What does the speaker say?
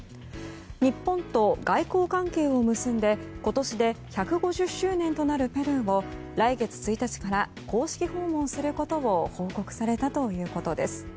日本と外交関係を結んで今年で１５０周年となるペルーを来月１日から公式訪問することを報告されたということです。